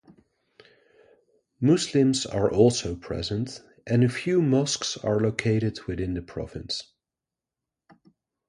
Muslims are also present and a few mosques are located within the province.